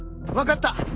分かった。